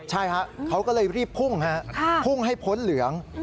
ใช่ครับเขาก็เลยรีบพุ่งพุ่งให้พ้นเหลือง